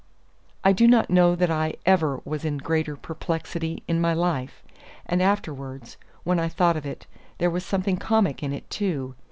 I do not know that I ever was in a greater perplexity, in my life; and afterwards, when I thought of it, there was something comic in it too.